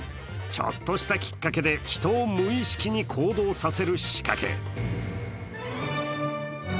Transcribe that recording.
ちょっとしたきっかけで人を無意識に行動させる仕掛け。